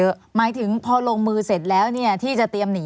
อเรนนี่หมายถึงพอลงมือเสร็จแล้วที่จะเตรียมหนี